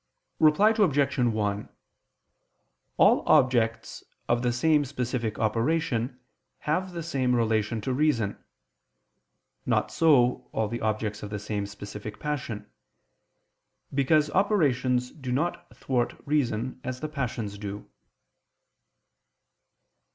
Reply Obj. 1: All objects of the same specific operation have the same relation to reason: not so all the objects of the same specific passion; because operations do not thwart reason as the passions do.